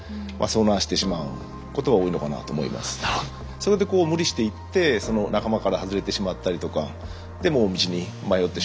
それでこう無理していって仲間から外れてしまったりとかでもう道に迷ってしまうと。